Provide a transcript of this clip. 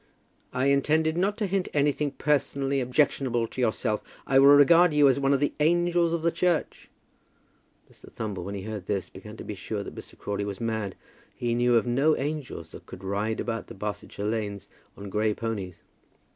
"I intended not to hint anything personally objectionable to yourself. I will regard you as one of the angels of the church." Mr. Thumble, when he heard this, began to be sure that Mr. Crawley was mad; he knew of no angels that could ride about the Barsetshire lanes on grey ponies.